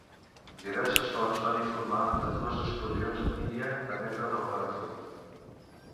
Diverses fonts van informar de dues explosions a la línia de meta de la marató.